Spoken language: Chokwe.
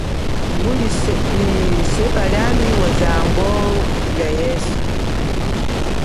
Nguli nyi sepa liami wazango lia yeswe.